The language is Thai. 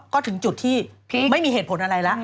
ก็ถึงจุดที่ไม่มีเหตุผลอะไรแล้ว